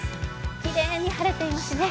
きれいに晴れていますね。